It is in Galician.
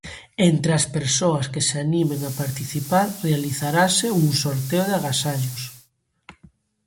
Entre as persoas que se animen a participar realizarase un sorteo de agasallos.